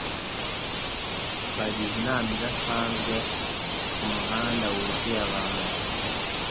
Twagize inama isanzwe kumuhanda wuzuye abantu.